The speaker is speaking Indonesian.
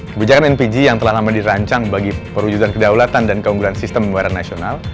kebijakan lpg yang telah lama dirancang bagi perwujudan kedaulatan dan keunggulan sistem pembayaran nasional